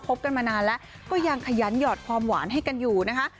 บกันมานานแล้วก็ยังขยันหยอดความหวานให้กันอยู่นะคะ